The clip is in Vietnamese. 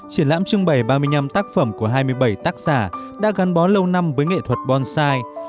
triển lãm trưng bày ba mươi năm tác phẩm của hai mươi bảy tác giả đã gắn bó lâu năm với nghệ thuật bonsai